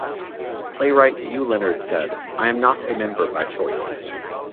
Playwright Hugh Leonard said: I am not a member by choice.